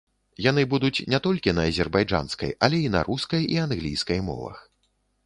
Яны будуць не толькі на азербайджанскай, але і на рускай і англійскай мовах.